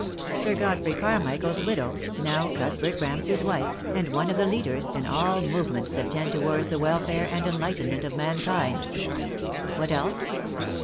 Sir God frey CarmichaePs widow, now Cuthbert Ramsay's wife, and one of the leaders in all movements that tend to wards the welfare and enlightenment of mankind. What else?